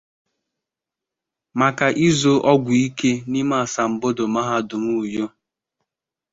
maka izo ọgwụike n'ime asambodo mahadum Uyo